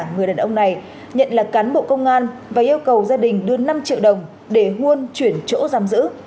người đàn ông này nhận là cán bộ công an và yêu cầu gia đình đưa năm triệu đồng để huôn chuyển chỗ giam giữ